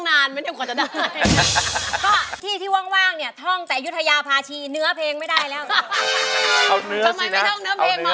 อันนี้อันแง่คือไปมาหรือว่าอะไร